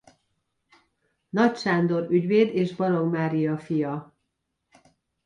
Nagy Sándor ügyvéd és Balogh Mária fia.